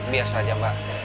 biasa aja mbak